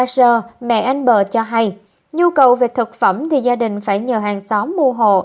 sơ mẹ anh bờ cho hay nhu cầu về thực phẩm thì gia đình phải nhờ hàng xóm mua hồ